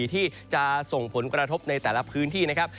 ที่จะส่งผลกระทบในแต่ละพื้นที่นะครับ